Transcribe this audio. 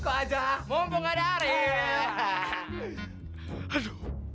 aja mumpung ada arel